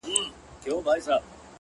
د حقیقت درک زړورتیا غواړي